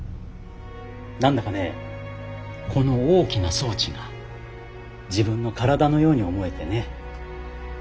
何だかねこの大きな装置が自分の体のように思えてね。